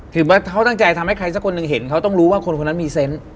เขาตั้งใจทำให้ใครสักคนหนึ่งเห็นเขาต้องรู้ว่าคนคนนั้นมีเซนต์